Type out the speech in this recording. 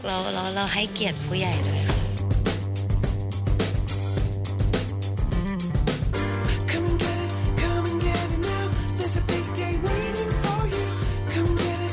เราให้เหรียญผู้ใหญ่ด้วยค่ะ